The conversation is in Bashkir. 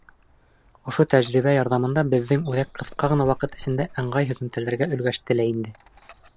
Ошо тәжрибә ярҙамында беҙҙең үҙәк ҡыҫҡа ғына ваҡыт эсендә ыңғай һөҙөмтәләргә өлгәште лә инде.